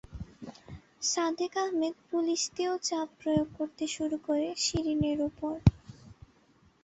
Sadek Ahmed police দিয়েও চাপ প্রয়োগ করতে শুরু করে শিরিনের ওপর।